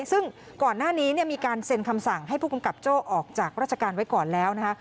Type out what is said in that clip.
ซึ่งก่อนหน้านี้มีการเซ็นคำสั่งให้ผู้กำกับโจ้ออกจากราชการไว้ก่อนแล้วนะคะ